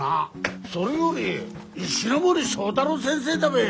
それより石ノ森章太郎先生だべ！